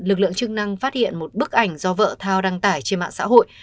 lực lượng chức năng phát hiện một bức ảnh do vợ thao đăng tải trên mạng xã hội